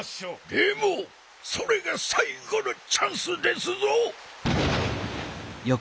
でもそれがさいごのチャンスですぞ！